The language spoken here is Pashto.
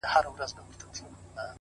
• كه څه هم په دار وځړوو ـ